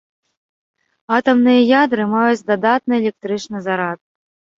Атамныя ядры маюць дадатны электрычны зарад.